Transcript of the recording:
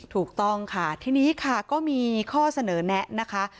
ถูกต้องค่ะทีนี้ค่ะก็มีข้อเสนอแนะนะคะ